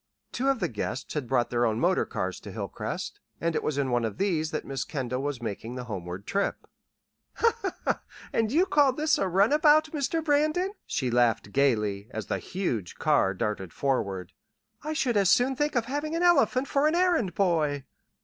Two of the guests had brought their own motor cars to Hilcrest, and it was in one of these that Miss Kendall was making the homeward trip. "And you call this a 'runabout,' Mr. Brandon?" she laughed gaily, as the huge car darted forward. "I should as soon think of having an elephant for an errand boy."